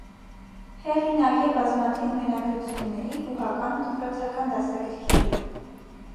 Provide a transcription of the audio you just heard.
Հեղինակ է բազմաթիվ մենագրությունների, բուհական ու դպրոցական դասագրքերի։